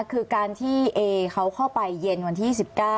คือการที่เอเขาเข้าไปเย็นวันที่๑๙